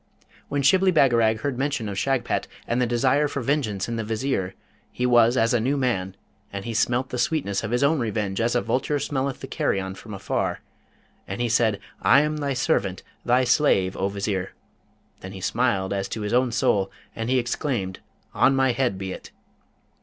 When Shibli Bagarag heard mention of Shagpat, and the desire for vengeance in the Vizier, he was as a new man, and he smelt the sweetness of his own revenge as a vulture smelleth the carrion from afar, and he said, 'I am thy servant, thy slave, O Vizier!' Then smiled he as to his own soul, and he exclaimed, 'On my head be it!'